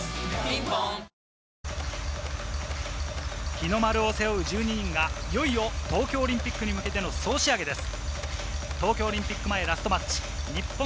日の丸を背負う１２人がいよいよ東京オリンピックに向けての総仕上げです。